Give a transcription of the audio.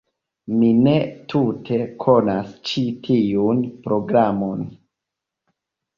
Mi ne tute konas ĉi tiun programon.